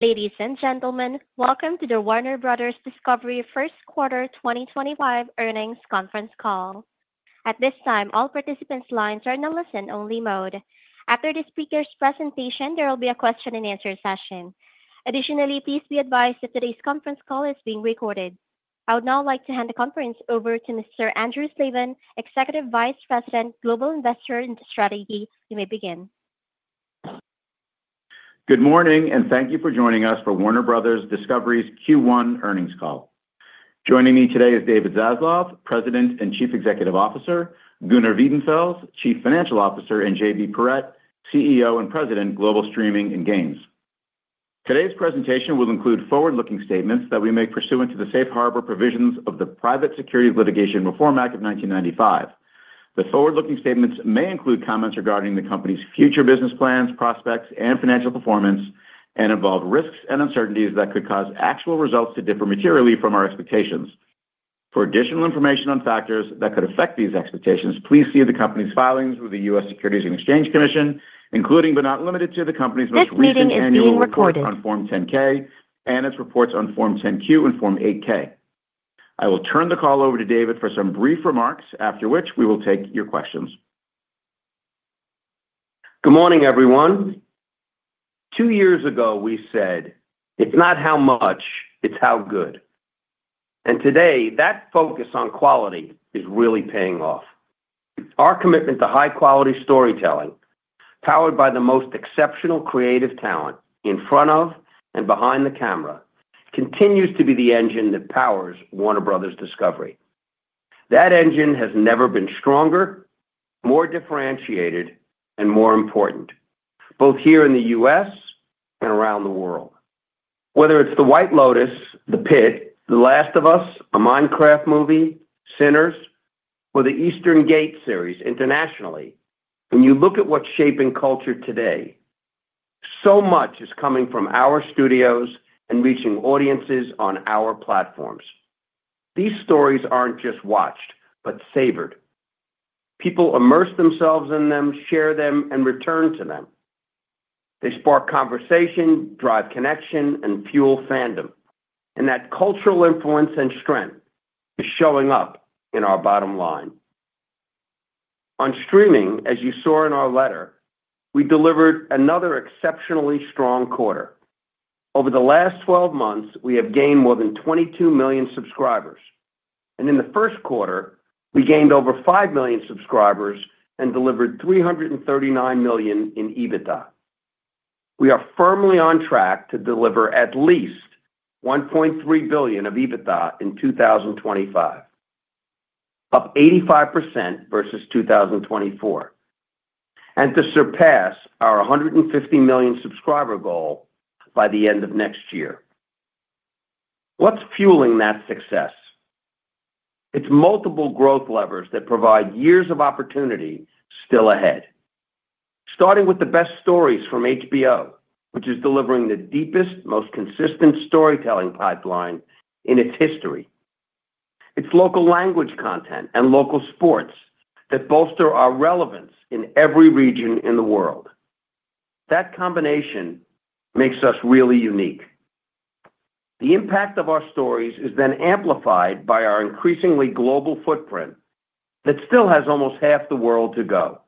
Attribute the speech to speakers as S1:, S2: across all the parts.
S1: Ladies and gentlemen, welcome to the Warner Bros. Discovery Q1 2025 Earnings Conference Call. At this time, all participants' lines are in the listen-only mode. After the speaker's presentation, there will be a question-and-answer session. Additionally, please be advised that today's conference call is being recorded. I would now like to hand the conference over to Mr. Andrew Slabin, Executive Vice President, Global Investor and Strategy. You may begin.
S2: Good morning, and thank you for joining us for Warner Bros. Discovery's Q1 earnings call. Joining me today is David Zaslav, President and Chief Executive Officer, Gunnar Wiedenfels, Chief Financial Officer, and JB Perrette, CEO and President, Global Streaming and Games. Today's presentation will include forward-looking statements that we make pursuant to the Safe Harbor Provisions of the Private Securities Litigation Reform Act of 1995. The forward-looking statements may include comments regarding the company's future business plans, prospects, and financial performance, and involve risks and uncertainties that could cause actual results to differ materially from our expectations. For additional information on factors that could affect these expectations, please see the company's filings with the U.S. Securities and Exchange Commission, including but not limited to the company's most recent annual report on Form 10-K and its reports on Form 10-Q and Form 8-K. I will turn the call over to David for some brief remarks, after which we will take your questions.
S3: Good morning, everyone. Two years ago, we said, "It's not how much, it's how good." And today, that focus on quality is really paying off. Our commitment to high-quality storytelling, powered by the most exceptional creative talent in front of and behind the camera, continues to be the engine that powers Warner Bros. Discovery. That engine has never been stronger, more differentiated, and more important, both here in the U.S. and around the world. Whether it's The White Lotus, The Pitt, The Last of Us, A Minecraft Movie, Sinners, or The Eastern Gate series internationally, when you look at what's shaping culture today, so much is coming from our studios and reaching audiences on our platforms. These stories aren't just watched, but savored. People immerse themselves in them, share them, and return to them. They spark conversation, drive connection, and fuel fandom. That cultural influence and strength is showing up in our bottom line. On streaming, as you saw in our letter, we delivered another exceptionally strong quarter. Over the last 12 months, we have gained more than 22 million subscribers. In the first quarter, we gained over five million subscribers and delivered $339 million in EBITDA. We are firmly on track to deliver at least $1.3 billion of EBITDA in 2025, up 85% versus 2024, and to surpass our 150 million subscriber goal by the end of next year. What's fueling that success? It's multiple growth levers that provide years of opportunity still ahead, starting with the best stories from HBO, which is delivering the deepest, most consistent storytelling pipeline in its history. It's local language content and local sports that bolster our relevance in every region in the world. That combination makes us really unique. The impact of our stories is then amplified by our increasingly global footprint that still has almost half the world to go.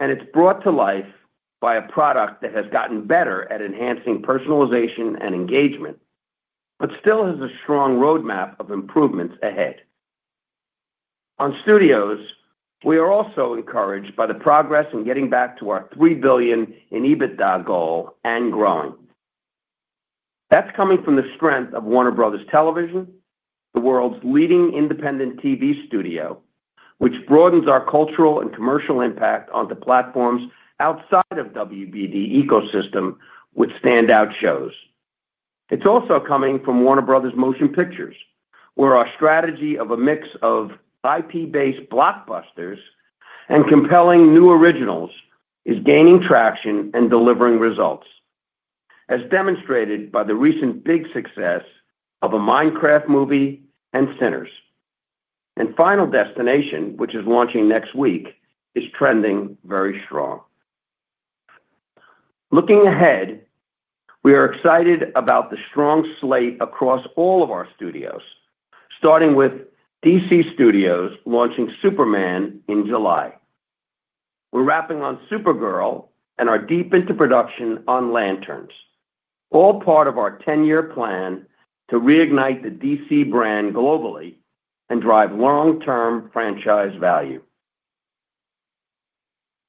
S3: And it's brought to life by a product that has gotten better at enhancing personalization and engagement, but still has a strong roadmap of improvements ahead. On studios, we are also encouraged by the progress in getting back to our $3 billion in EBITDA goal and growing. That's coming from the strength of Warner Bros. Television, the world's leading independent TV studio, which broadens our cultural and commercial impact onto platforms outside of WBD ecosystem with standout shows. It's also coming from Warner Bros. Motion Pictures, where our strategy of a mix of IP-based blockbusters and compelling new originals is gaining traction and delivering results, as demonstrated by the recent big success of A Minecraft Movie and Sinners. Final Destination, which is launching next week, is trending very strong. Looking ahead, we are excited about the strong slate across all of our studios, starting with DC Studios launching Superman in July. We're wrapping on Supergirl and are deep into production on Lanterns, all part of our 10-year plan to reignite the DC brand globally and drive long-term franchise value.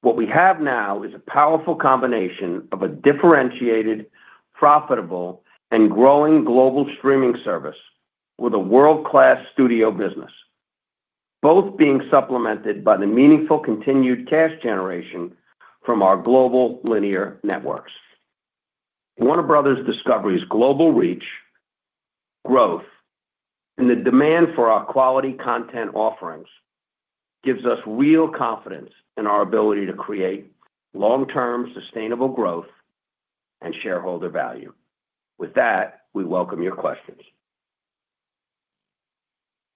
S3: What we have now is a powerful combination of a differentiated, profitable, and growing global streaming service with a world-class studio business, both being supplemented by the meaningful continued cash generation from our global linear networks. Warner Bros. Discovery's global reach, growth, and the demand for our quality content offerings gives us real confidence in our ability to create long-term sustainable growth and shareholder value. With that, we welcome your questions.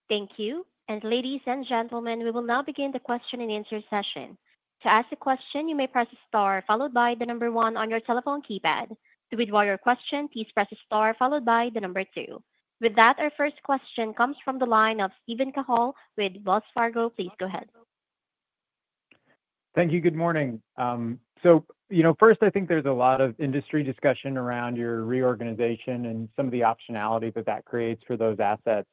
S1: Thank you, and ladies and gentlemen, we will now begin the question-and-answer session. To ask a question, you may press the star followed by the number one on your telephone keypad. To withdraw your question, please press the star followed by the number two. With that, our first question comes from the line of Steven Cahall with Wells Fargo. Please go ahead.
S4: Thank you. Good morning, so first, I think there's a lot of industry discussion around your reorganization and some of the optionality that that creates for those assets.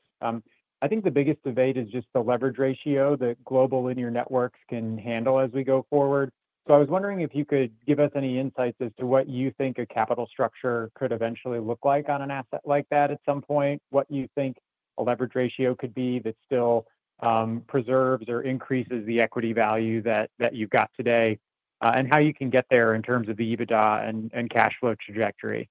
S4: I think the biggest debate is just the leverage ratio that global linear networks can handle as we go forward, so I was wondering if you could give us any insights as to what you think a capital structure could eventually look like on an asset like that at some point, what you think a leverage ratio could be that still preserves or increases the equity value that you've got today, and how you can get there in terms of the EBITDA and cash flow trajectory,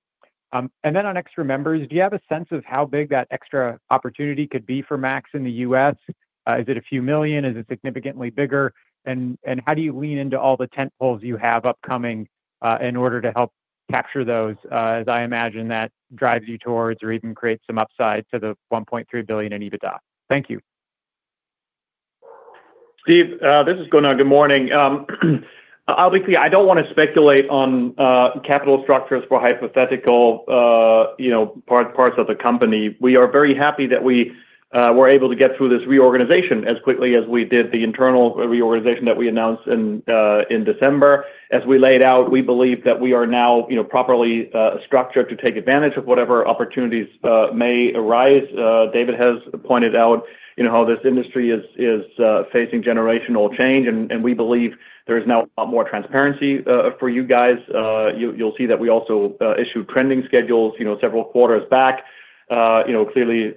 S4: and then on extra members, do you have a sense of how big that extra opportunity could be for Max in the U.S.? Is it a few million? Is it significantly bigger? How do you lean into all the tentpoles you have upcoming in order to help capture those, as I imagine that drives you towards or even creates some upside to the $1.3 billion in EBITDA? Thank you.
S5: Steve, this is Gunnar. Good morning. Obviously, I don't want to speculate on capital structures for hypothetical parts of the company. We are very happy that we were able to get through this reorganization as quickly as we did the internal reorganization that we announced in December. As we laid out, we believe that we are now properly structured to take advantage of whatever opportunities may arise. David has pointed out how this industry is facing generational change, and we believe there is now a lot more transparency for you guys. You'll see that we also issued trending schedules several quarters back, clearly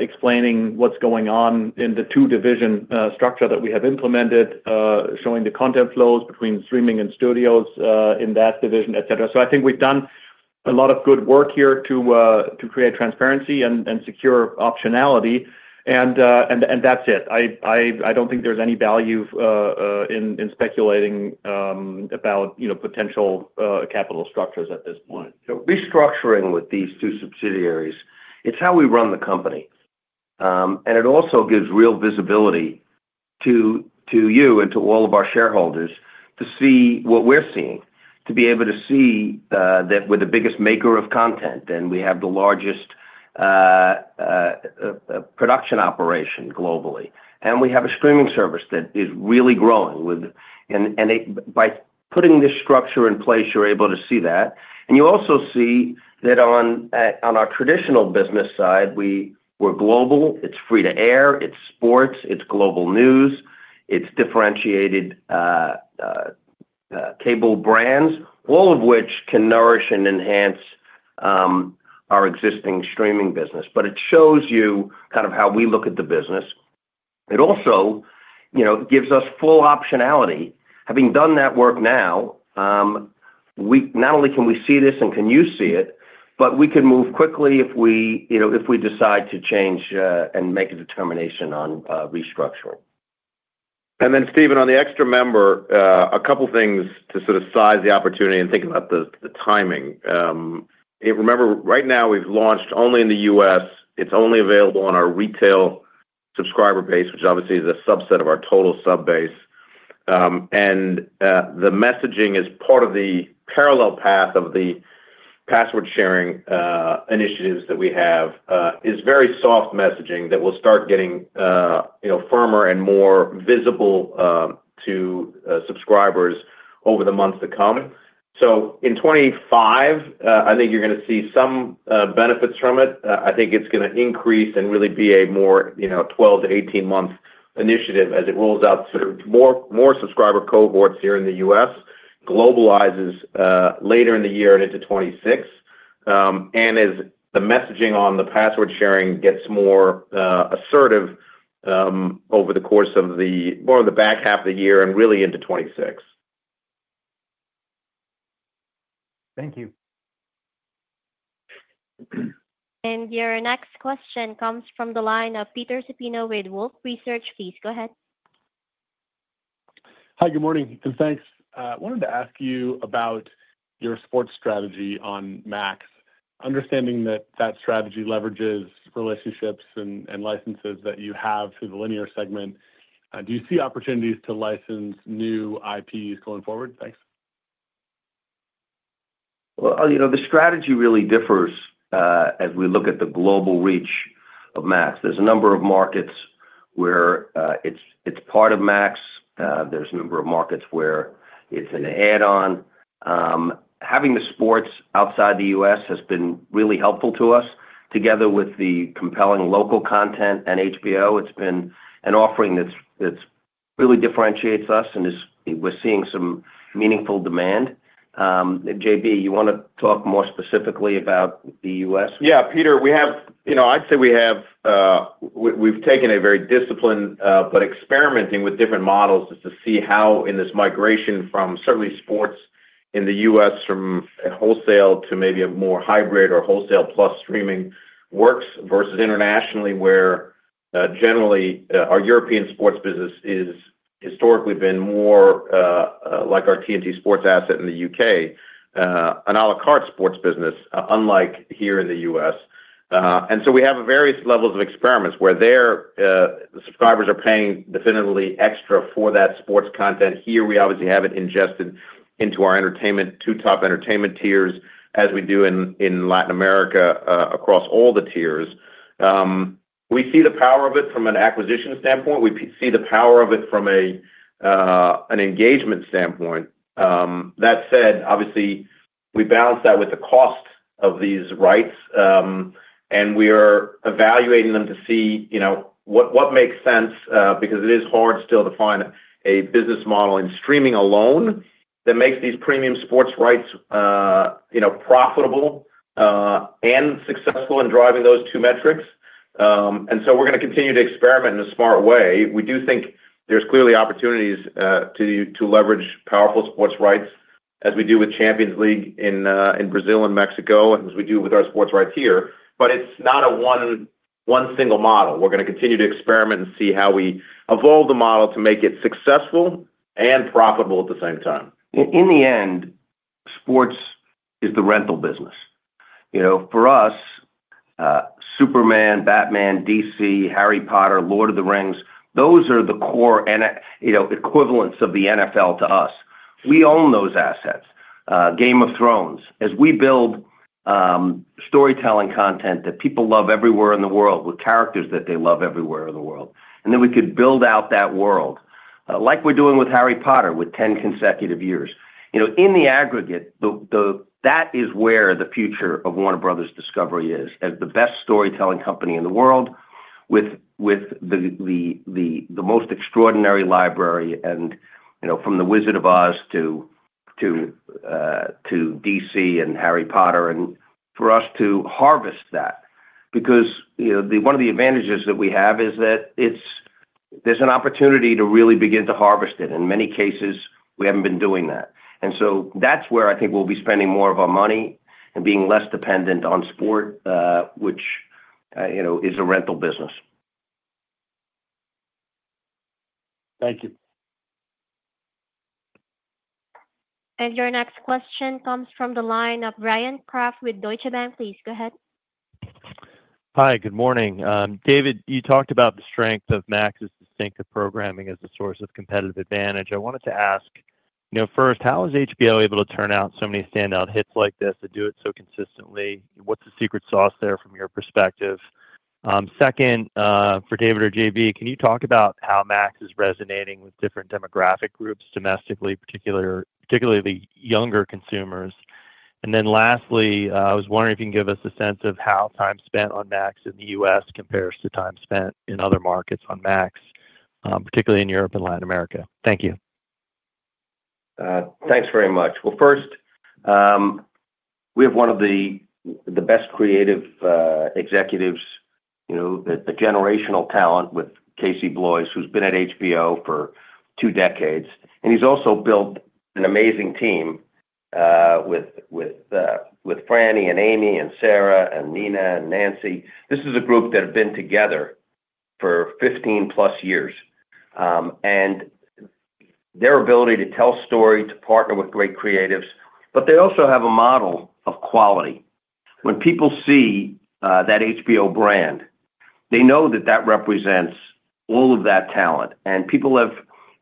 S5: explaining what's going on in the two-division structure that we have implemented, showing the content flows between streaming and studios in that division, etc., so I think we've done a lot of good work here to create transparency and secure optionality, and that's it. I don't think there's any value in speculating about potential capital structures at this point.
S3: Restructuring with these two subsidiaries, it's how we run the company, and it also gives real visibility to you and to all of our shareholders to see what we're seeing, to be able to see that we're the biggest maker of content and we have the largest production operation globally, and we have a streaming service that is really growing, and by putting this structure in place, you're able to see that, and you also see that on our traditional business side, we're global. It's free to air. It's sports. It's global news. It's differentiated cable brands, all of which can nourish and enhance our existing streaming business, but it shows you kind of how we look at the business. It also gives us full optionality. Having done that work now, not only can we see this and can you see it, but we can move quickly if we decide to change and make a determination on restructuring.
S6: And then, Steven, on the extra member, a couple of things to sort of size the opportunity and think about the timing. Remember, right now, we've launched only in the U.S. It's only available on our retail subscriber base, which obviously is a subset of our total sub-base. And the messaging is part of the parallel path of the password-sharing initiatives that we have is very soft messaging that will start getting firmer and more visible to subscribers over the months to come. So in 2025, I think you're going to see some benefits from it. I think it's going to increase and really be a more 12-18-month initiative as it rolls out to more subscriber cohorts here in the U.S. globalizes later in the year and into 2026, and as the messaging on the password-sharing gets more assertive over the course of more of the back half of the year and really into 2026.
S4: Thank you.
S1: Your next question comes from the line of Peter Supino with Wolfe Research. Please go ahead.
S7: Hi, good morning, and thanks. I wanted to ask you about your sports strategy on Max, understanding that that strategy leverages relationships and licenses that you have through the linear segment. Do you see opportunities to license new IPs going forward? Thanks.
S3: The strategy really differs as we look at the global reach of Max. There's a number of markets where it's part of Max. There's a number of markets where it's an add-on. Having the sports outside the U.S. has been really helpful to us. Together with the compelling local content and HBO, it's been an offering that really differentiates us, and we're seeing some meaningful demand. JB, you want to talk more specifically about the U.S.?
S8: Yeah, Peter, I'd say we have taken a very disciplined but experimenting with different models just to see how, in this migration from certainly sports in the U.S. from wholesale to maybe a more hybrid or wholesale plus streaming works versus internationally, where generally our European sports business has historically been more like our TNT Sports asset in the U.K., an à la carte sports business, unlike here in the U.S., and so we have various levels of experiments where their subscribers are paying definitively extra for that sports content. Here, we obviously have it ingested into our entertainment, two top entertainment tiers, as we do in Latin America across all the tiers. We see the power of it from an acquisition standpoint. We see the power of it from an engagement standpoint. That said, obviously, we balance that with the cost of these rights. We are evaluating them to see what makes sense because it is hard still to find a business model in streaming alone that makes these premium sports rights profitable and successful in driving those two metrics. So we're going to continue to experiment in a smart way. We do think there's clearly opportunities to leverage powerful sports rights, as we do with Champions League in Brazil and Mexico, as we do with our sports rights here. It's not a one single model. We're going to continue to experiment and see how we evolve the model to make it successful and profitable at the same time.
S3: In the end, sports is the rental business. For us, Superman, Batman, DC, Harry Potter, Lord of the Rings, those are the core equivalents of the NFL to us. We own those assets. Game of Thrones, as we build storytelling content that people love everywhere in the world with characters that they love everywhere in the world. And then we could build out that world like we're doing with Harry Potter with 10 consecutive years. In the aggregate, that is where the future of Warner Bros. Discovery is, as the best storytelling company in the world with the most extraordinary library and from The Wizard of Oz to DC and Harry Potter and for us to harvest that. Because one of the advantages that we have is that there's an opportunity to really begin to harvest it. In many cases, we haven't been doing that. That's where I think we'll be spending more of our money and being less dependent on sports, which is a rental business.
S7: Thank you.
S1: Your next question comes from the line of Bryan Kraft with Deutsche Bank. Please go ahead.
S9: Hi, good morning. David, you talked about the strength of Max's distinctive programming as a source of competitive advantage. I wanted to ask first, how is HBO able to turn out so many standout hits like this and do it so consistently? What's the secret sauce there from your perspective? Second, for David or JB, can you talk about how Max is resonating with different demographic groups domestically, particularly younger consumers? And then lastly, I was wondering if you can give us a sense of how time spent on Max in the U.S. compares to time spent in other markets on Max, particularly in Europe and Latin America. Thank you.
S3: Thanks very much. Well, first, we have one of the best creative executives, the generational talent with Casey Bloys, who's been at HBO for two decades. And he's also built an amazing team with Franny and Amy and Sarah and Nina and Nancy. This is a group that has been together for 15-plus years. And their ability to tell stories, to partner with great creatives, but they also have a model of quality. When people see that HBO brand, they know that that represents all of that talent. And people have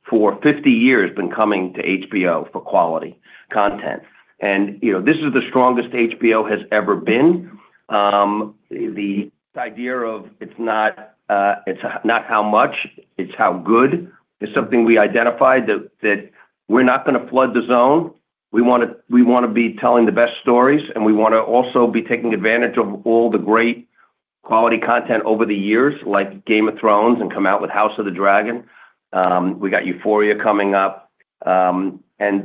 S3: for 50 years been coming to HBO for quality content. And this is the strongest HBO has ever been. The idea of it's not how much, it's how good is something we identified that we're not going to flood the zone. We want to be telling the best stories, and we want to also be taking advantage of all the great quality content over the years, like Game of Thrones and come out with House of the Dragon. We got Euphoria coming up, and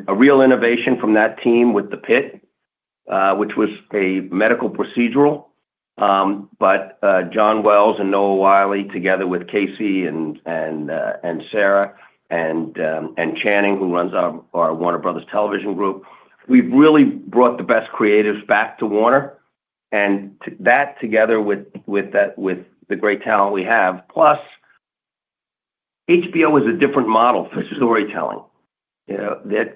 S3: a real innovation from that team with The Pitt, which was a medical procedural. John Wells and Noah Wyle together with Casey and Sarah and Channing, who runs our Warner Bros. Television Group, we've really brought the best creatives back to Warner. That together with the great talent we have, plus HBO is a different model for storytelling.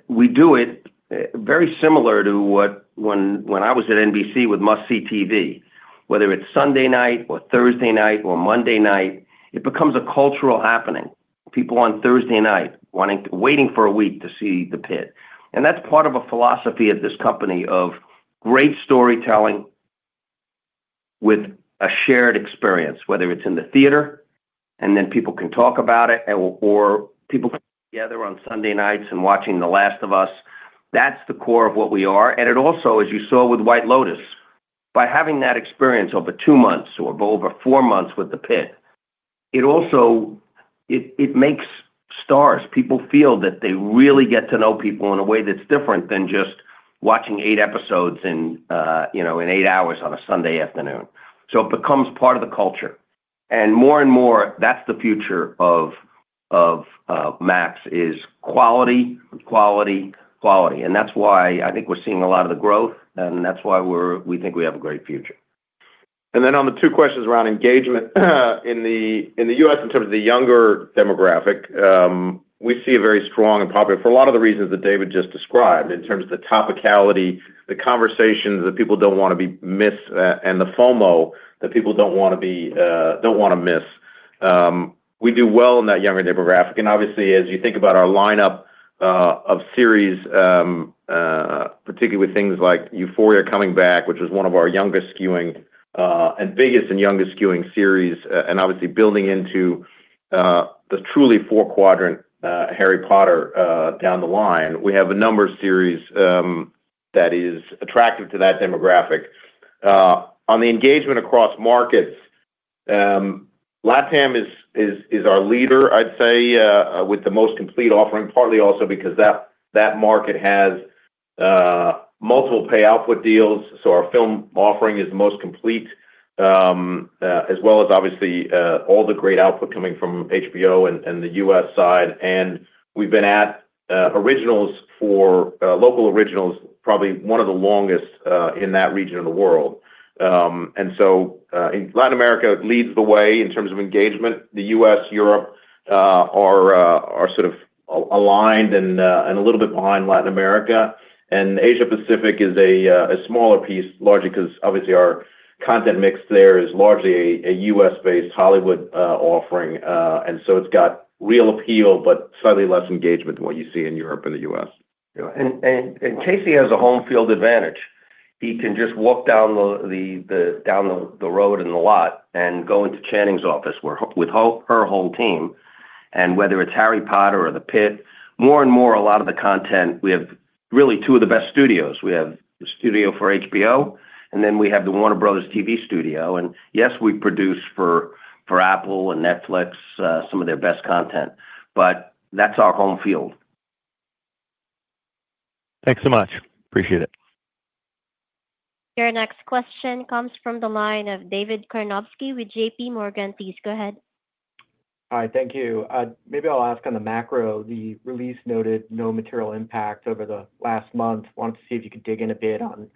S3: We do it very similar to when I was at NBC with Must See TV. Whether it's Sunday night or Thursday night or Monday night, it becomes a cultural happening. People on Thursday night waiting for a week to see The Pitt. That's part of a philosophy of this company of great storytelling with a shared experience, whether it's in the theater, and then people can talk about it, or people come together on Sunday nights and watching The Last of Us. That's the core of what we are. It also, as you saw with The White Lotus, by having that experience over two months or over four months with The Pitt, it makes stars. People feel that they really get to know people in a way that's different than just watching eight episodes in eight hours on a Sunday afternoon. It becomes part of the culture. More and more, that's the future of Max is quality, quality, quality. That's why I think we're seeing a lot of the growth, and that's why we think we have a great future.
S8: And then on the two questions around engagement in the U.S. in terms of the younger demographic, we see a very strong and popular for a lot of the reasons that David just described in terms of the topicality, the conversations that people don't want to miss and the FOMO that people don't want to miss. We do well in that younger demographic. And obviously, as you think about our lineup of series, particularly with things like Euphoria coming back, which was one of our youngest skewing and biggest and youngest skewing series, and obviously building into the truly four-quadrant Harry Potter down the line, we have a number of series that is attractive to that demographic. On the engagement across markets, LATAM is our leader, I'd say, with the most complete offering, partly also because that market has multiple pay output deals. Our film offering is the most complete, as well as obviously all the great output coming from HBO and the U.S. side. And we've been at originals for local originals, probably one of the longest in that region of the world. And so in Latin America, it leads the way in terms of engagement. The U.S., Europe are sort of aligned and a little bit behind Latin America. And Asia-Pacific is a smaller piece, largely because obviously our content mix there is largely a U.S.-based Hollywood offering. And so it's got real appeal, but slightly less engagement than what you see in Europe and the U.S.
S3: Casey has a home field advantage. He can just walk down the road in the lot and go into Channing's office with her whole team. And whether it's Harry Potter or The Pitt, more and more, a lot of the content, we have really two of the best studios. We have the studio for HBO, and then we have the Warner Bros. TV studio. And yes, we produce for Apple and Netflix some of their best content, but that's our home field.
S9: Thanks so much. Appreciate it.
S1: Your next question comes from the line of David Karnovsky with J.P. Morgan. Please go ahead.
S10: Hi, thank you. Maybe I'll ask on the macro. The release noted no material impact over the last month. Wanted to see if you could dig in a bit on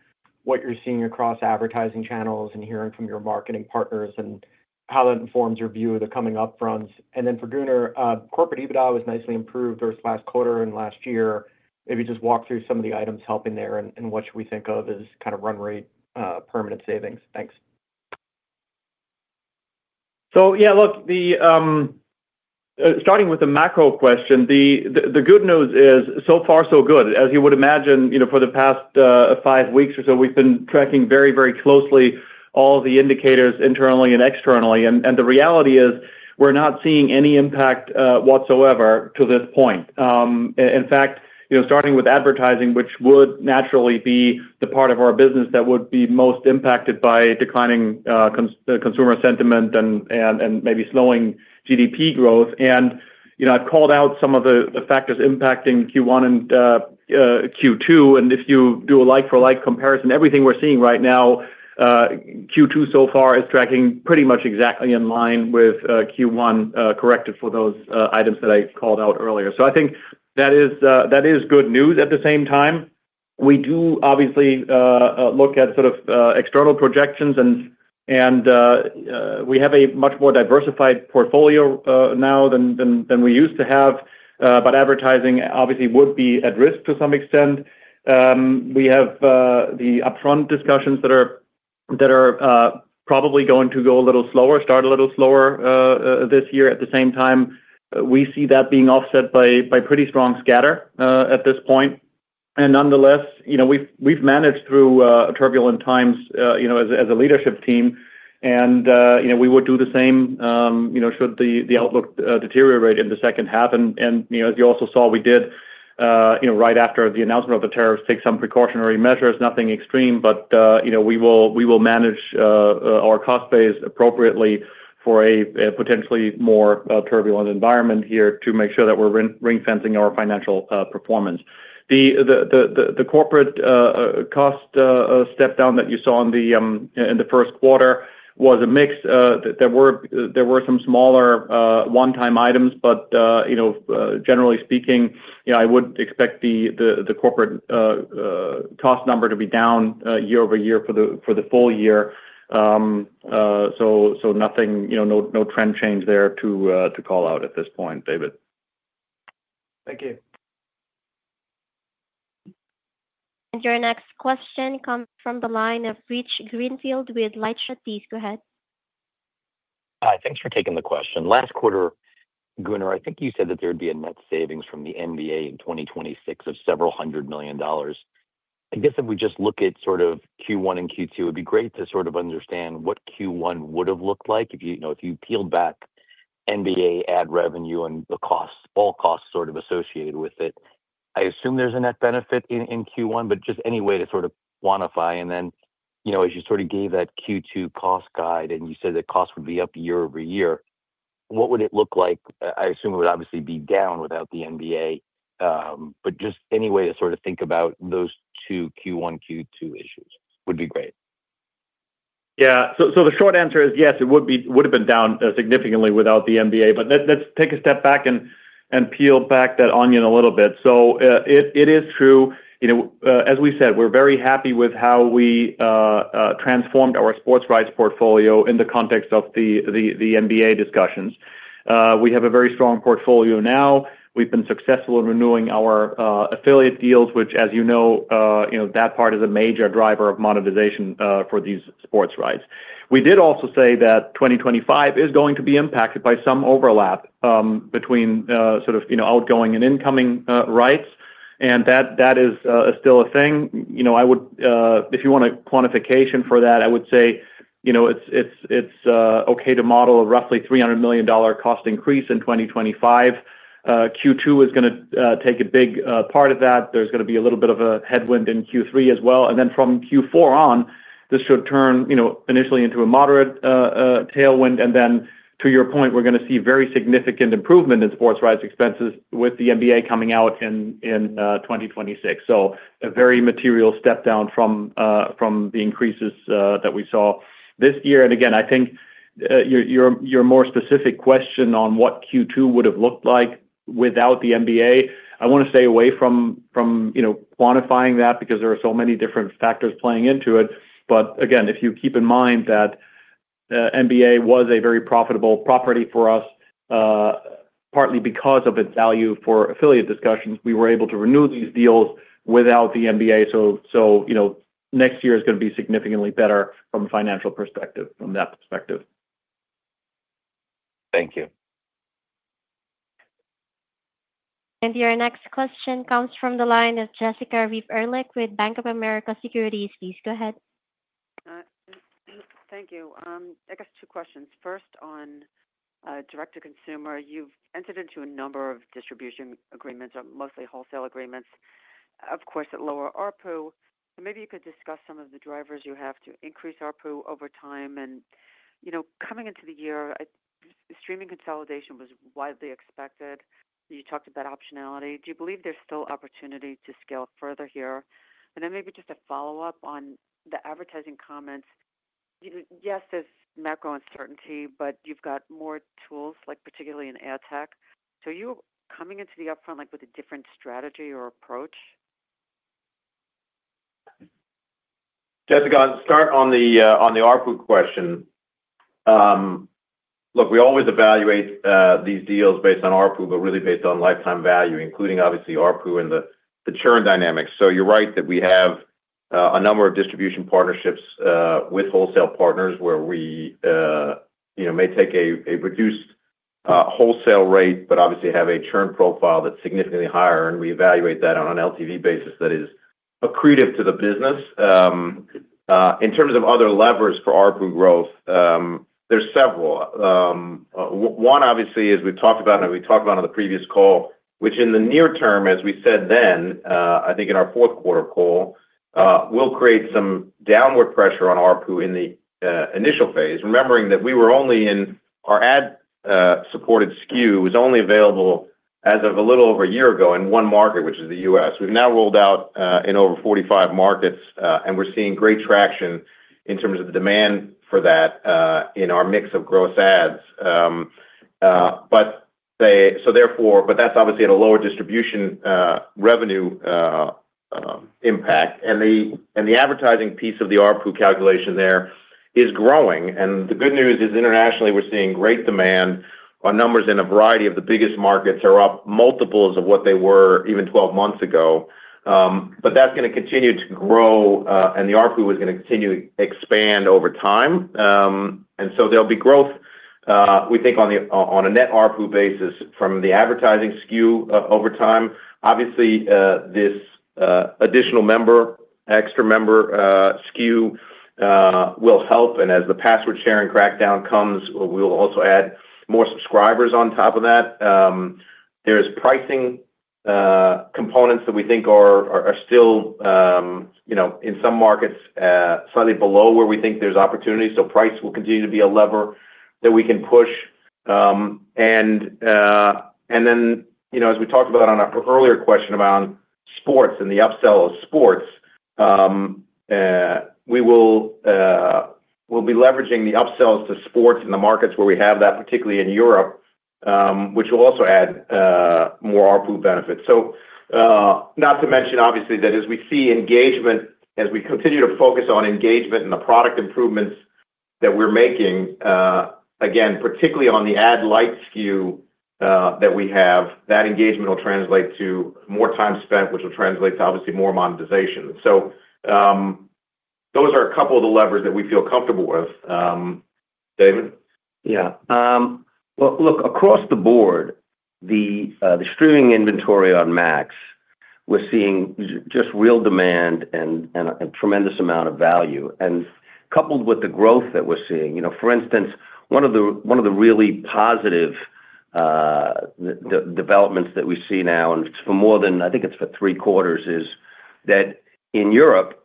S10: what you're seeing across advertising channels and hearing from your marketing partners and how that informs your view of the coming upfront. And then for Gunnar, corporate EBITDA was nicely improved over the last quarter and last year. Maybe just walk through some of the items helping there and what should we think of as kind of run rate permanent savings. Thanks.
S5: So yeah, look, starting with the macro question, the good news is so far, so good. As you would imagine, for the past five weeks or so, we've been tracking very, very closely all the indicators internally and externally. And the reality is we're not seeing any impact whatsoever to this point. In fact, starting with advertising, which would naturally be the part of our business that would be most impacted by declining consumer sentiment and maybe slowing GDP growth. And I've called out some of the factors impacting Q1 and Q2. And if you do a like-for-like comparison, everything we're seeing right now, Q2 so far is tracking pretty much exactly in line with Q1, corrected for those items that I called out earlier. So I think that is good news at the same time. We do obviously look at sort of external projections, and we have a much more diversified portfolio now than we used to have. But advertising obviously would be at risk to some extent. We have the upfront discussions that are probably going to go a little slower, start a little slower this year. At the same time, we see that being offset by pretty strong scatter at this point. And nonetheless, we've managed through turbulent times as a leadership team. And we would do the same should the outlook deteriorate in the second half. And as you also saw, we did right after the announcement of the tariffs take some precautionary measures, nothing extreme, but we will manage our cost base appropriately for a potentially more turbulent environment here to make sure that we're ring-fencing our financial performance. The corporate cost step down that you saw in the first quarter was a mix. There were some smaller one-time items, but generally speaking, I would expect the corporate cost number to be down year over year for the full year. So no trend change there to call out at this point, David. Thank you.
S1: And your next question comes from the line of Rich Greenfield with LightShed. Please go ahead.
S11: Hi, thanks for taking the question. Last quarter, Gunnar, I think you said that there would be a net savings from the NBA in 2026 of several hundred million dolars. I guess if we just look at sort of Q1 and Q2, it'd be great to sort of understand what Q1 would have looked like if you peeled back NBA ad revenue and all costs sort of associated with it. I assume there's a net benefit in Q1, but just any way to sort of quantify, and then as you sort of gave that Q2 cost guide and you said that cost would be up year over year, what would it look like? I assume it would obviously be down without the NBA, but just any way to sort of think about those two Q1, Q2 issues would be great.
S5: Yeah, so the short answer is yes, it would have been down significantly without the NBA, but let's take a step back and peel back that onion a little bit, so it is true. As we said, we're very happy with how we transformed our sports rights portfolio in the context of the NBA discussions. We have a very strong portfolio now. We've been successful in renewing our affiliate deals, which, as you know, that part is a major driver of monetization for these sports rights. We did also say that 2025 is going to be impacted by some overlap between sort of outgoing and incoming rights, and that is still a thing. If you want a quantification for that, I would say it's okay to model a roughly $300 million cost increase in 2025. Q2 is going to take a big part of that. There's going to be a little bit of a headwind in Q3 as well. And then from Q4 on, this should turn initially into a moderate tailwind. And then to your point, we're going to see very significant improvement in sports rights expenses with the NBA coming out in 2026. So a very material step down from the increases that we saw this year. And again, I think your more specific question on what Q2 would have looked like without the NBA. I want to stay away from quantifying that because there are so many different factors playing into it. But again, if you keep in mind that the NBA was a very profitable property for us, partly because of its value for affiliate discussions, we were able to renew these deals without the NBA. So next year is going to be significantly better from a financial perspective, from that perspective.
S11: Thank you.
S1: And your next question comes from the line of Jessica Reif Ehrlich with Bank of America Securities. Please go ahead.
S6: Thank you. I guess two questions. First, on direct-to-consumer, you've entered into a number of distribution agreements, mostly wholesale agreements, of course, at lower ARPU. Maybe you could discuss some of the drivers you have to increase ARPU over time. And coming into the year, streaming consolidation was widely expected. You talked about optionality. Do you believe there's still opportunity to scale further here? And then maybe just a follow-up on the advertising comments. Yes, there's macro uncertainty, but you've got more tools, particularly in ad tech. So are you coming into the upfront with a different strategy or approach?
S3: Jessica, I'll start on the ARPU question. Look, we always evaluate these deals based on ARPU, but really based on lifetime value, including obviously ARPU and the churn dynamics. So you're right that we have a number of distribution partnerships with wholesale partners where we may take a reduced wholesale rate, but obviously have a churn profile that's significantly higher. And we evaluate that on an LTV basis that is accretive to the business. In terms of other levers for ARPU growth, there's several. One, obviously, as we've talked about and we talked about on the previous call, which in the near term, as we said then, I think in our fourth quarter call, will create some downward pressure on ARPU in the initial phase. Remembering that we were only in our ad-supported SKU, which was only available as of a little over a year ago in one market, which is the U.S. We've now rolled out in over 45 markets, and we're seeing great traction in terms of the demand for that in our mix of gross ads. But that's obviously at a lower distribution revenue impact. And the advertising piece of the ARPU calculation there is growing. And the good news is internationally, we're seeing great demand. Our numbers in a variety of the biggest markets are up multiples of what they were even 12 months ago. But that's going to continue to grow, and the ARPU is going to continue to expand over time. And so there'll be growth, we think, on a net ARPU basis from the advertising SKU over time. Obviously, this additional member, extra member SKU will help. As the password sharing crackdown comes, we will also add more subscribers on top of that. There's pricing components that we think are still in some markets slightly below where we think there's opportunity. Price will continue to be a lever that we can push. And then, as we talked about on our earlier question around sports and the upsell of sports, we will be leveraging the upsells to sports in the markets where we have that, particularly in Europe, which will also add more ARPU benefits. Not to mention, obviously, that as we see engagement, as we continue to focus on engagement and the product improvements that we're making, again, particularly on the ad light SKU that we have, that engagement will translate to more time spent, which will translate to obviously more monetization. So those are a couple of the levers that we feel comfortable with. David? Yeah. Well, look, across the board, the streaming inventory on Max, we're seeing just real demand and a tremendous amount of value. And coupled with the growth that we're seeing, for instance, one of the really positive developments that we see now, and it's for more than I think it's for three quarters, is that in Europe,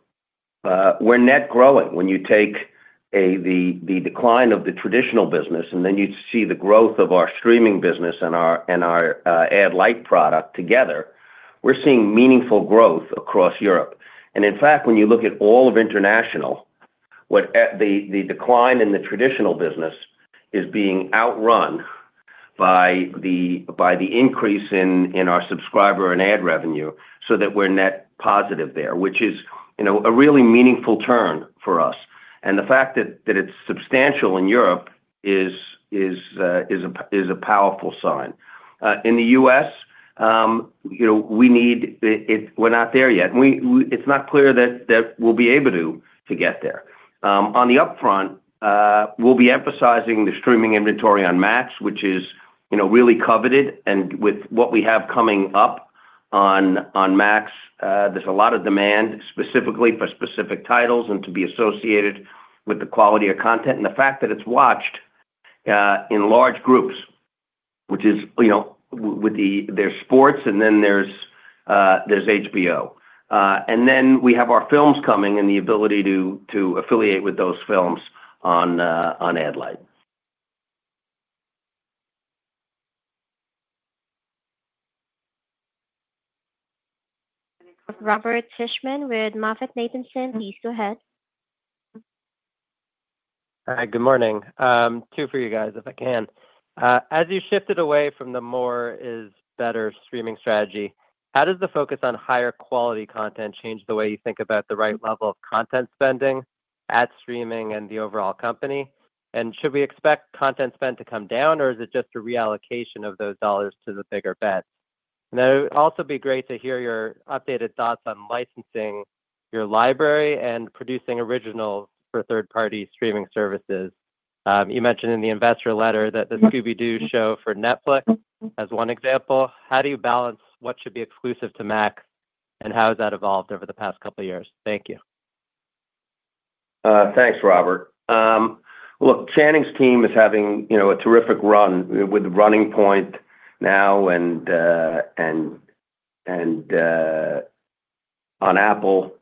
S3: we're net growing. When you take the decline of the traditional business and then you see the growth of our streaming business and our ad light product together, we're seeing meaningful growth across Europe. And in fact, when you look at all of international, the decline in the traditional business is being outrun by the increase in our subscriber and ad revenue so that we're net positive there, which is a really meaningful turn for us. The fact that it's substantial in Europe is a powerful sign. In the U.S., we're not there yet. It's not clear that we'll be able to get there. On the upfront, we'll be emphasizing the streaming inventory on Max, which is really coveted. With what we have coming up on Max, there's a lot of demand specifically for specific titles and to be associated with the quality of content and the fact that it's watched in large groups, which is, there's sports and then there's HBO. Then we have our films coming and the ability to affiliate with those films on ad light.
S1: It's Robert Fishman with MoffettNathanson. Please go ahead.
S12: Hi, good morning. Two for you guys, if I can. As you shifted away from the more is better streaming strategy, how does the focus on higher quality content change the way you think about the right level of content spending at streaming and the overall company? And should we expect content spend to come down, or is it just a reallocation of those dollars to the bigger bets? And it would also be great to hear your updated thoughts on licensing your library and producing originals for third-party streaming services. You mentioned in the investor letter that the Scooby-Doo show for Netflix as one example. How do you balance what should be exclusive to Max and how has that evolved over the past couple of years? Thank you.
S3: Thanks, Robert. Look, Channing's team is having a terrific run with Running Point now and on Apple,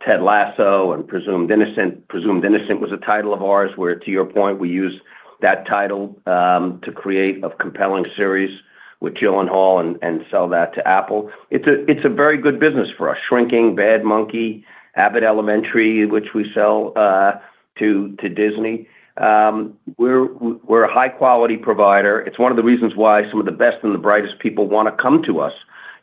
S3: Ted Lasso and Presumed Innocent. Presumed Innocent was a title of ours where, to your point, we use that title to create a compelling series with Gyllenhaal and sell that to Apple. It's a very good business for us. Shrinking, Bad Monkey, Abbott Elementary, which we sell to Disney. We're a high-quality provider. It's one of the reasons why some of the best and the brightest people want to come to us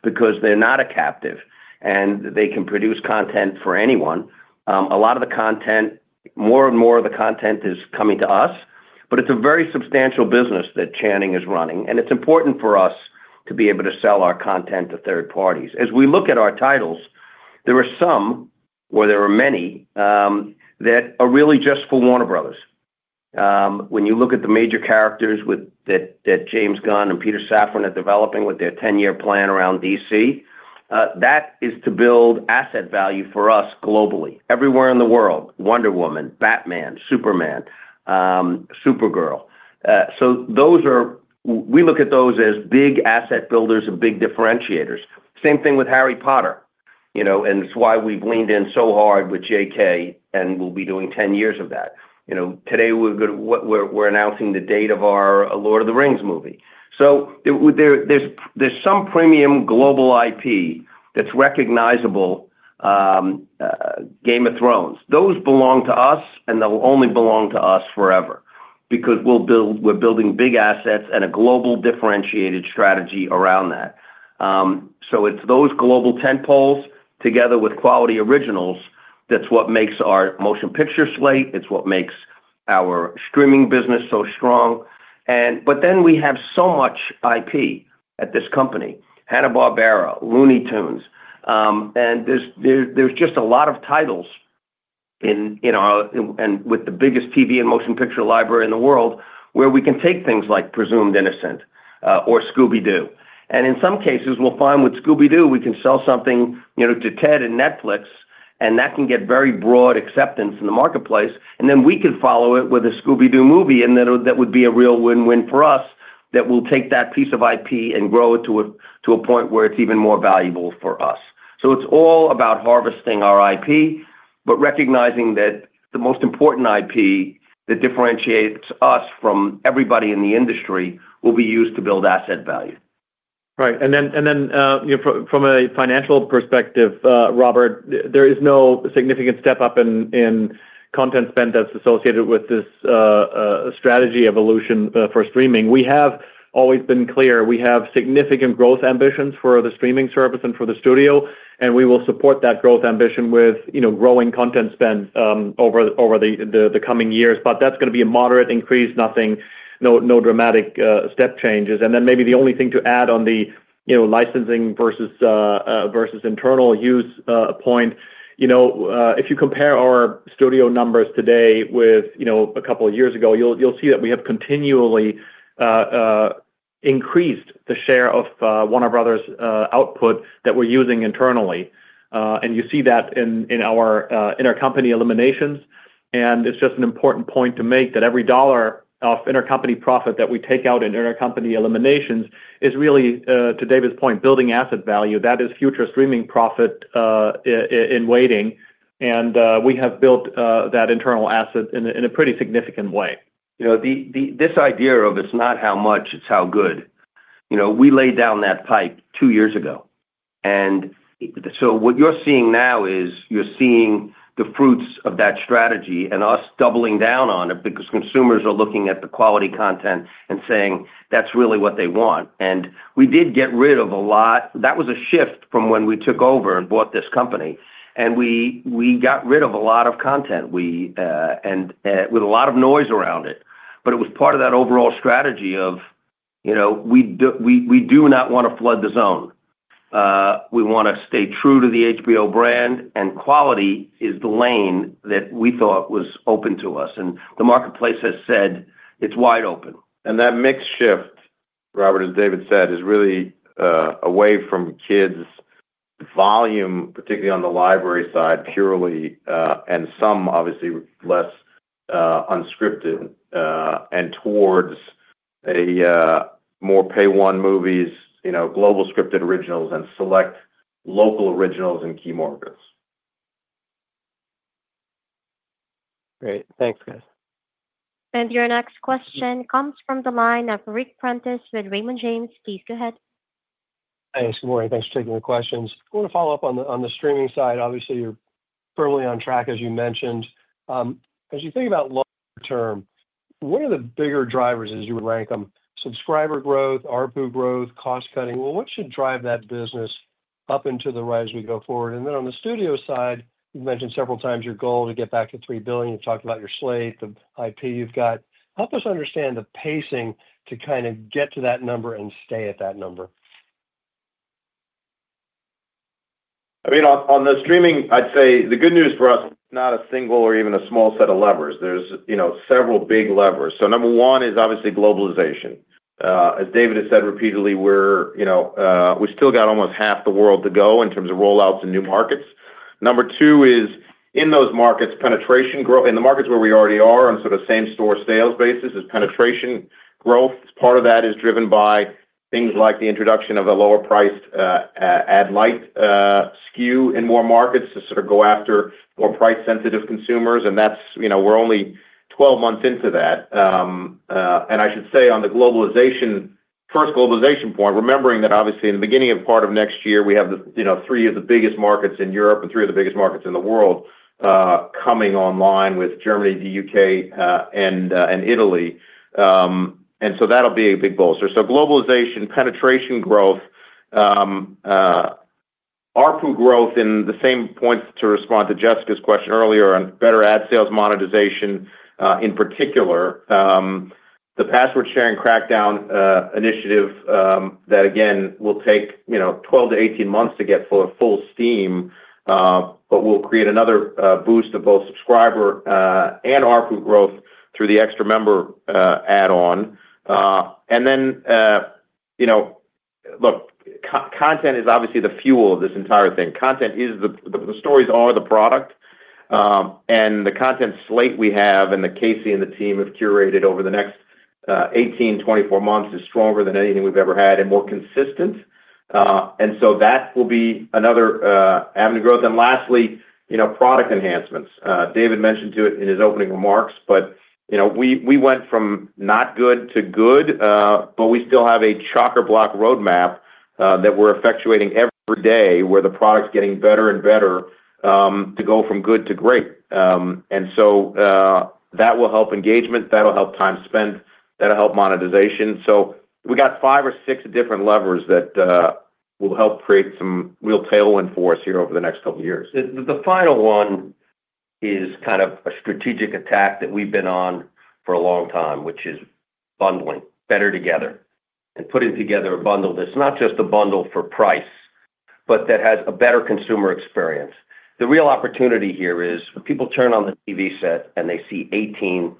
S3: because they're not a captive and they can produce content for anyone. A lot of the content, more and more of the content is coming to us, but it's a very substantial business that Channing is running, and it's important for us to be able to sell our content to third parties. As we look at our titles, there are some, or there are many, that are really just for Warner Bros. When you look at the major characters that James Gunn and Peter Safran are developing with their 10-year plan around DC, that is to build asset value for us globally. Everywhere in the world, Wonder Woman, Batman, Superman, Supergirl. So we look at those as big asset builders and big differentiators. Same thing with Harry Potter. And it's why we've leaned in so hard with JK and we'll be doing 10 years of that. Today, we're announcing the date of our Lord of the Rings movie. So there's some premium global IP that's recognizable, Game of Thrones. Those belong to us and they'll only belong to us forever because we're building big assets and a global differentiated strategy around that. So it's those global tentpoles together with quality originals that's what makes our motion picture slate. It's what makes our streaming business so strong. But then we have so much IP at this company. Hanna-Barbera, Looney Tunes. And there's just a lot of titles with the biggest TV and motion picture library in the world where we can take things like Presumed Innocent or Scooby-Doo. And in some cases, we'll find with Scooby-Doo, we can sell something to Ted and Netflix, and that can get very broad acceptance in the marketplace. And then we can follow it with a Scooby-Doo movie and that would be a real win-win for us that we'll take that piece of IP and grow it to a point where it's even more valuable for us. So it's all about harvesting our IP, but recognizing that the most important IP that differentiates us from everybody in the industry will be used to build asset value.
S5: Right. And then from a financial perspective, Robert, there is no significant step up in content spend that's associated with this strategy evolution for streaming. We have always been clear. We have significant growth ambitions for the streaming service and for the studio, and we will support that growth ambition with growing content spend over the coming years. But that's going to be a moderate increase, no dramatic step changes. And then maybe the only thing to add on the licensing versus internal use point, if you compare our studio numbers today with a couple of years ago, you'll see that we have continually increased the share of Warner Bros.' output that we're using internally. And you see that in our Intercompany eliminations. It's just an important point to make that every dollar of Intercompany profit that we take out in Intercompany eliminations is really, to David's point, building asset value. That is future streaming profit in waiting. We have built that internal asset in a pretty significant way.
S3: This idea of it's not how much, it's how good. We laid down that pipe two years ago. And so what you're seeing now is you're seeing the fruits of that strategy and us doubling down on it because consumers are looking at the quality content and saying, "That's really what they want." And we did get rid of a lot. That was a shift from when we took over and bought this company. And we got rid of a lot of content with a lot of noise around it. But it was part of that overall strategy of we do not want to flood the zone. We want to stay true to the HBO brand, and quality is the lane that we thought was open to us. And the marketplace has said it's wide open.
S8: That mixed shift, Robert, as David said, is really away from kids' volume, particularly on the library side, purely, and some obviously less unscripted, and towards more pay one movies, global scripted originals, and select local originals in key markets.
S12: Great. Thanks, guys.
S1: Your next question comes from the line of Ric Prentiss with Raymond James. Please go ahead.
S13: Thanks, Lori. Thanks for taking the questions. I want to follow up on the streaming side. Obviously, you're firmly on track, as you mentioned. As you think about long term, what are the bigger drivers, as you would rank them? Subscriber growth, ARPU growth, cost cutting. What should drive that business up and to the right as we go forward? And then on the studio side, you've mentioned several times your goal to get back to $3 billion. You've talked about your slate, the IP you've got. Help us understand the pacing to kind of get to that number and stay at that number.
S8: I mean, on the streaming, I'd say the good news for us, it's not a single or even a small set of levers, so number one is obviously globalization. As David has said repeatedly, we still got almost half the world to go in terms of rollouts in new markets. Number two is in those markets, penetration growth. In the markets where we already are on sort of same-store sales basis, there's penetration growth. Part of that is driven by things like the introduction of a lower-priced ad light SKU in more markets to sort of go after more price-sensitive consumers, and we're only 12 months into that. And I should say on the first globalization point, remembering that obviously in the beginning of part of next year, we have three of the biggest markets in Europe and three of the biggest markets in the world coming online with Germany, the UK, and Italy. And so that'll be a big bolster. So globalization, penetration growth, ARPU growth in the same points to respond to Jessica's question earlier on better ad sales monetization in particular. The password-sharing crackdown initiative that, again, will take 12-18 months to get full steam, but will create another boost of both subscriber and ARPU growth through the extra member add-on. And then, look, content is obviously the fuel of this entire thing. Content is the stories are the product. And the content slate we have and the Casey and the team have curated over the next 18, 24 months is stronger than anything we've ever had and more consistent. And so that will be another avenue of growth. And lastly, product enhancements. David mentioned it in his opening remarks, but we went from not good to good, but we still have a chockablock roadmap that we're effectuating every day where the product's getting better and better to go from good to great. And so that will help engagement. That'll help time spent. That'll help monetization. So we got five or six different levers that will help create some real tailwind for us here over the next couple of years.
S3: The final one is kind of a strategic attack that we've been on for a long time, which is bundling, better together, and putting together a bundle that's not just a bundle for price, but that has a better consumer experience. The real opportunity here is people turn on the TV set and they see 18,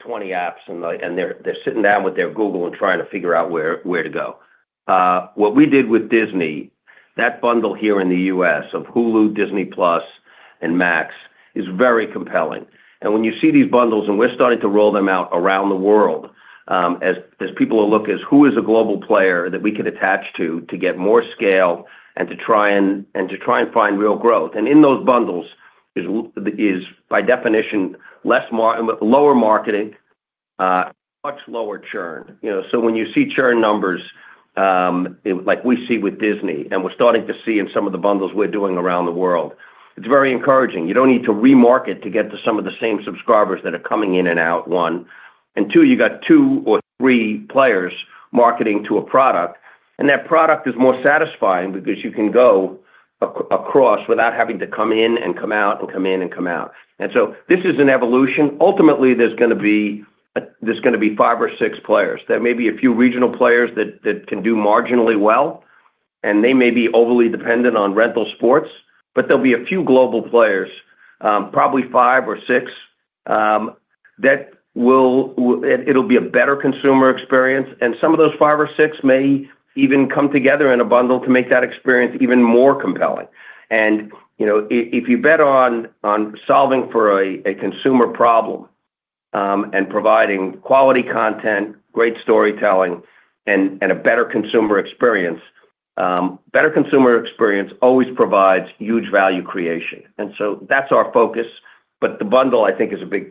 S3: 20 apps, and they're sitting down with their Google and trying to figure out where to go. What we did with Disney, that bundle here in the U.S. of Hulu, Disney+, and Max is very compelling. And when you see these bundles, and we're starting to roll them out around the world, as people will look as who is a global player that we can attach to get more scale and to try and find real growth. And in those bundles is, by definition, lower marketing, much lower churn. So when you see churn numbers like we see with Disney, and we're starting to see in some of the bundles we're doing around the world, it's very encouraging. You don't need to remarket to get to some of the same subscribers that are coming in and out. One. And two, you got two or three players marketing to a product. And that product is more satisfying because you can go across without having to come in and come out and come in and come out. And so this is an evolution. Ultimately, there's going to be five or six players. There may be a few regional players that can do marginally well, and they may be overly dependent on regional sports, but there'll be a few global players, probably five or six, that it'll be a better consumer experience. And some of those five or six may even come together in a bundle to make that experience even more compelling. And if you bet on solving for a consumer problem and providing quality content, great storytelling, and a better consumer experience, better consumer experience always provides huge value creation. And so that's our focus. But the bundle, I think, is a big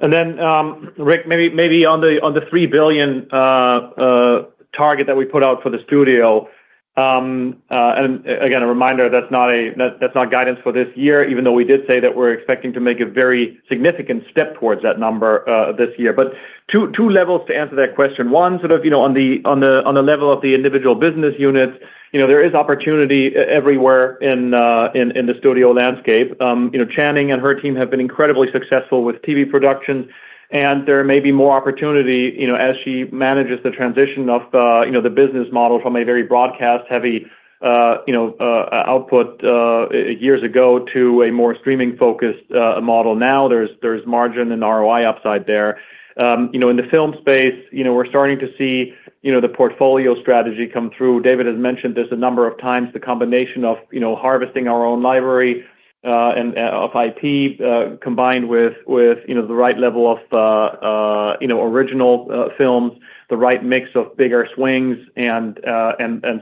S3: part of it. Bundles.
S5: And then, Rick, maybe on the $3 billion target that we put out for the studio, and again, a reminder, that's not guidance for this year, even though we did say that we're expecting to make a very significant step towards that number this year. But two levels to answer that question. One, sort of on the level of the individual business units, there is opportunity everywhere in the studio landscape. Channing and her team have been incredibly successful with TV productions, and there may be more opportunity as she manages the transition of the business model from a very broadcast-heavy output years ago to a more streaming-focused model. Now there's margin and ROI upside there. In the film space, we're starting to see the portfolio strategy come through. David has mentioned this a number of times, the combination of harvesting our own library of IP combined with the right level of original films, the right mix of bigger swings and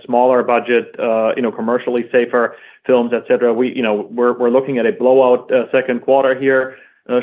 S5: smaller budget, commercially safer films, etc. We're looking at a blowout second quarter here,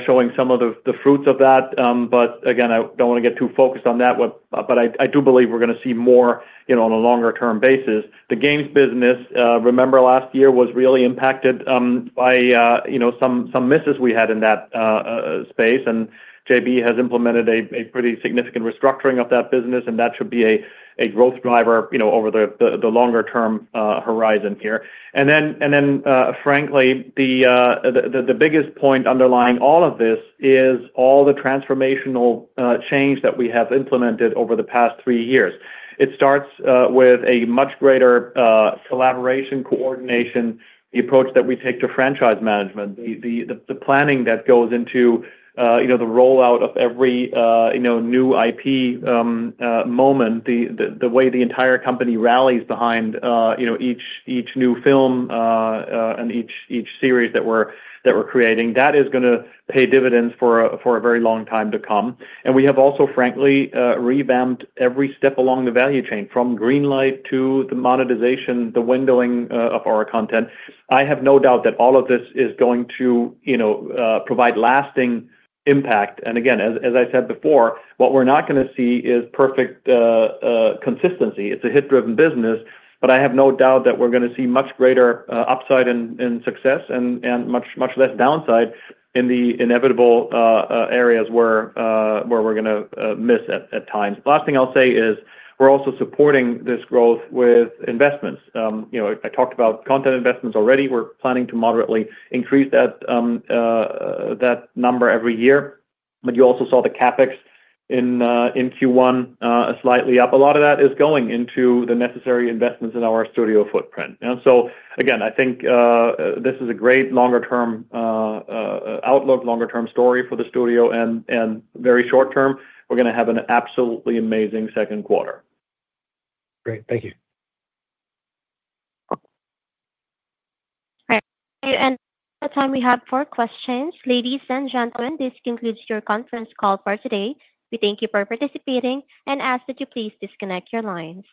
S5: showing some of the fruits of that, but again, I don't want to get too focused on that, but I do believe we're going to see more on a longer-term basis. The games business, remember last year, was really impacted by some misses we had in that space. And JB has implemented a pretty significant restructuring of that business, and that should be a growth driver over the longer-term horizon here, and then, frankly, the biggest point underlying all of this is all the transformational change that we have implemented over the past three years. It starts with a much greater collaboration, coordination, the approach that we take to franchise management, the planning that goes into the rollout of every new IP moment, the way the entire company rallies behind each new film and each series that we're creating. That is going to pay dividends for a very long time to come. And we have also, frankly, revamped every step along the value chain from greenlight to the monetization, the windowing of our content. I have no doubt that all of this is going to provide lasting impact. And again, as I said before, what we're not going to see is perfect consistency. It's a hit-driven business, but I have no doubt that we're going to see much greater upside in success and much less downside in the inevitable areas where we're going to miss at times. Last thing I'll say is we're also supporting this growth with investments. I talked about content investments already. We're planning to moderately increase that number every year. But you also saw the CapEx in Q1 slightly up. A lot of that is going into the necessary investments in our studio footprint. And so again, I think this is a great longer-term outlook, longer-term story for the studio, and very short term, we're going to have an absolutely amazing second quarter.
S13: Great. Thank you.
S1: All right, and at the time, we have four questions. Ladies and gentlemen, this concludes your conference call for today. We thank you for participating and ask that you please disconnect your lines.